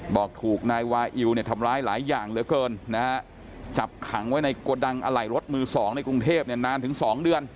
บอกถูกนายวาอิวเนี่ยทำร้ายหลายอย่างเหลือเกินนะฮะจับขังไว้ในโกดังอะไหล่รถมือสองในกรุงเทพเนี่ยนานถึงสองเดือน